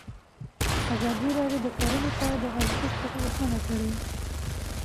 ازادي راډیو د کرهنه په اړه د هر اړخیز پوښښ ژمنه کړې.